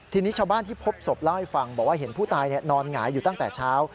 ทีนี้ชาวบ้านที่พบศพเล่าให้ฟังบอกว่าเห็นผู้ตายนอนหงายอยู่ตั้งแต่เช้า